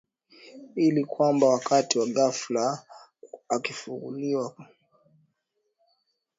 ili kwamba wakati wa ghafla akafufuliwa angeweza kusukuma uso wake nao